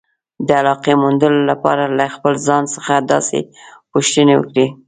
د علاقې موندلو لپاره له خپل ځان څخه داسې پوښتنې وکړئ.